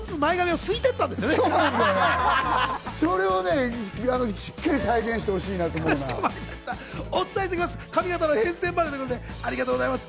そうなのよ、それをしっかりと再現してほしいなと思いますね。